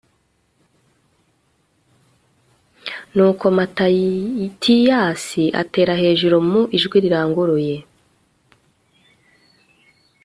nuko matatiyasi atera hejuru mu ijwi riranguruye